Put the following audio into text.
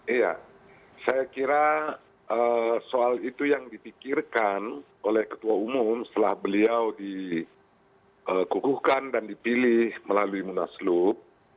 iya saya kira soal itu yang dipikirkan oleh ketua umum setelah beliau dikukuhkan dan dipilih melalui munaslup